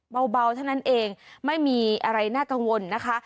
เบาเท่านั้นเองไม่มีอะไรน่ากังวลนะคะ